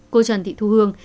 cô trần thị thu hương